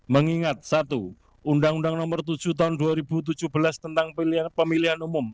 mengingat satu undang undang nomor tujuh tahun dua ribu tujuh belas tentang pemilihan umum